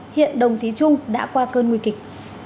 hiện đồng chí trung đã qua cơn nguy kịch